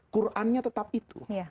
kurannya tetap itu